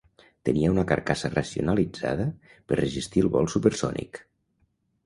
Tenia una carcassa racionalitzada per resistir el vol supersònic.